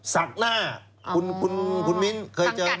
สักหน้าคุณมีนเคยเจอไหม